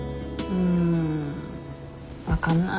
うん分かんない。